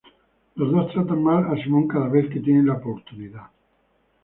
Los dos tratan mal a Simon cada vez que tienen la oportunidad.